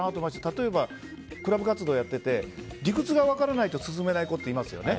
例えば、クラブ活動やってて理屈が分からないと進めない子っていますよね。